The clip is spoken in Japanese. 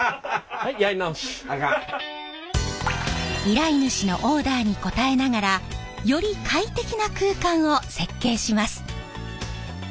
依頼主のオーダーに応えながらより快適な空間を設計します。